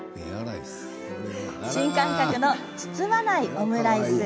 新感覚の包まないオムライス。